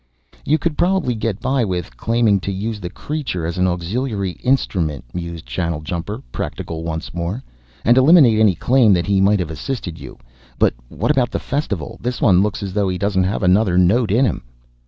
"You could probably get by with claiming to use the creature as an auxiliary instrument," mused Channeljumper, practical once more, "and eliminate any claim that he might have assisted you. But what about the Festival? This one looks as though he doesn't have another note in him."